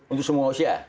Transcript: untuk semua usia